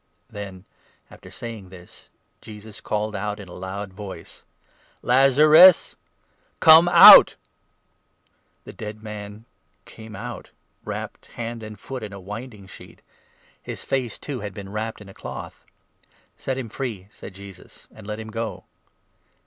Then, after saying this, Jesus called in a loud voice : 43 " Lazarus ! come out !" The dead man came out, wrapped hand and foot in a winding 44 sheet ; his face, too, had been wrapped in a cloth. " Set him free," said Jesus, " and let him go."